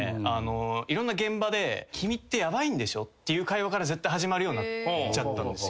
いろんな現場で。っていう会話から絶対始まるようになっちゃったんですよ。